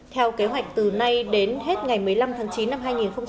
theo kế hoạch từ nay đến hết ngày một mươi năm tháng chín năm hai nghìn một mươi sáu